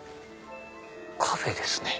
カフェですね